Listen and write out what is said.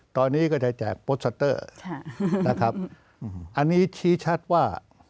ตอนนี้ก็จะแจกนะครับอันนี้ชี้ชัดว่า